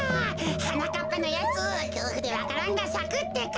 はなかっぱのやつきょうふでわか蘭がさくってか。